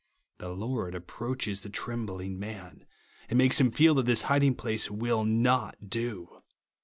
The Lord approaches the trembling man, and makes him feel that this hiding place will not do.